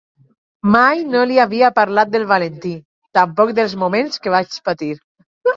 Mai no li havia parlat del Valentí, tampoc dels moments que vaig patir...